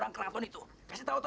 mereka itu mata mata